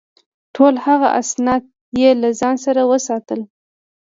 ټول هغه اسناد یې له ځان سره وساتل.